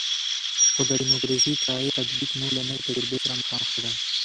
خو د ډیموکراسي کرایي تطبیق موږ له نوې تجربې سره مخامخ کړی.